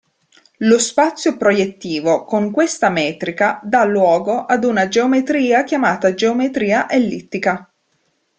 Lo spazio proiettivo con questa metrica dà luogo ad una geometria chiamata geometria ellittica.